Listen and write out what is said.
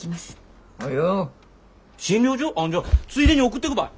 あじゃあついでに送ってくばい。